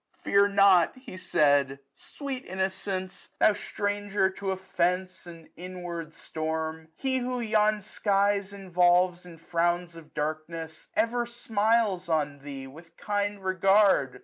" Fear not,'* he said, " Sweet innocence I thou stranger to offence, 1205 SUMMER. 95 And inward storm ! He, who yon skies involves *' In frowns of darkness, ever smiles on thee With kind regard.